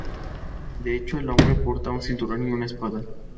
De hecho, el hombre porta un cinturón y una espada.